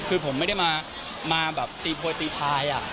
คือผมไม่ได้มาแบบตีโพยตีพาย